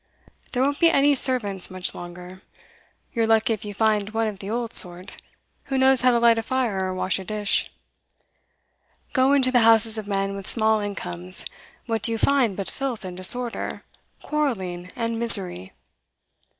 There won't be any servants much longer; you're lucky if you find one of the old sort, who knows how to light a fire or wash a dish. Go into the houses of men with small incomes; what do you find but filth and disorder, quarrelling and misery?